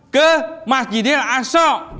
ke masjidil haram